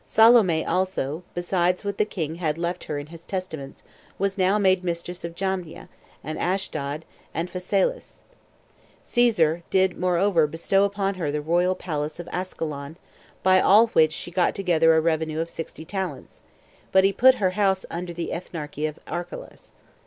Salome also, besides what the king had left her in his testaments, was now made mistress of Jamnia, and Ashdod, and Phasaelis. Caesar did moreover bestow upon her the royal palace of Ascalon; by all which she got together a revenue of sixty talents; but he put her house under the ethnarchy of Archelaus.